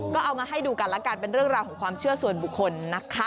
ก็เอามาให้ดูกันแล้วกันเป็นเรื่องราวของความเชื่อส่วนบุคคลนะคะ